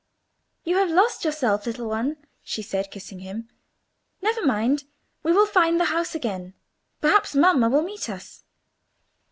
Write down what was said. "You have lost yourself, little one," she said, kissing him. "Never mind! we will find the house again. Perhaps mamma will meet us."